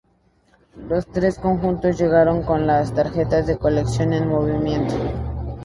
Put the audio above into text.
Los tres conjuntos llegaron con las tarjetas de colección en movimiento.